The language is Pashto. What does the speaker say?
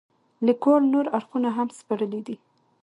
لیکوال نور اړخونه هم سپړلي دي.